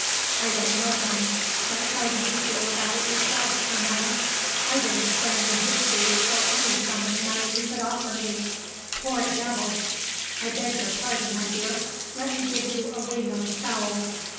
I don't know him; but how do you feel about it yourself, Carmina? I wouldn't stand in his shoes for any sum of money you could offer me. Poor devil! I beg your pardon, my dear; let me give you a wing of the fowl.